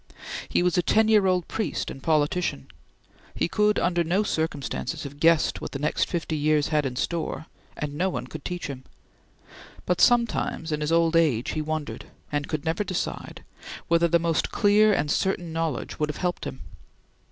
He was a ten year old priest and politician. He could under no circumstances have guessed what the next fifty years had in store, and no one could teach him; but sometimes, in his old age, he wondered and could never decide whether the most clear and certain knowledge would have helped him.